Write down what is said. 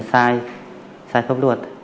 sai sai pháp luật